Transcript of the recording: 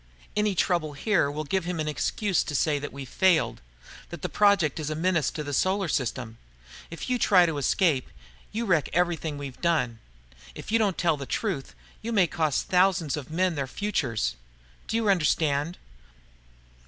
"Any trouble here will give him an excuse to say that we've failed, that the Project is a menace to the Solar System. If you try to escape, you wreck everything we've done. If you don't tell the truth, you may cost thousands of men their futures. "Do you understand?